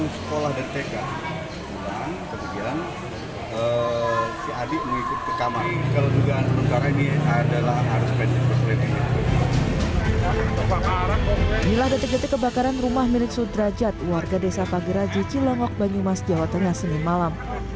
setelah kebakaran rumah milik sudrajat warga desa pagera jicilangok banyumas jawa tengah senin malam